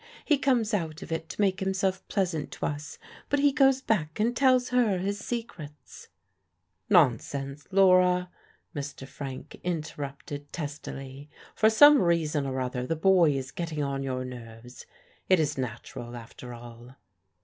He comes out of it to make himself pleasant to us, but he goes back and tells her his secrets." "Nonsense, Laura," Mr. Frank interrupted testily. "For some reason or other the boy is getting on your nerves. It is natural, after all."